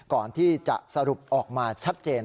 ก่อนที่จะสรุปออกมาชัดเจน